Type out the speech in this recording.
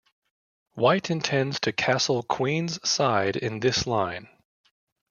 White intends to castle Queen's side in this line.